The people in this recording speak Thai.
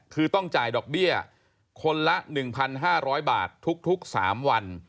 คือต้องจ่ายดอกเบี้ยคนละ๑๕๐๐บาททุก๓วัน